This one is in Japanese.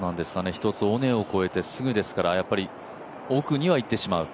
一つ尾根を越えてすぐですから奥には行ってしまう。